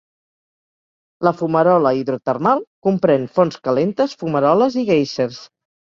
La fumarola hidrotermal comprèn fonts calentes, fumaroles i guèisers.